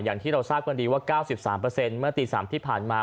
อย่างที่เราทราบกันดีว่า๙๓เมื่อตี๓ที่ผ่านมา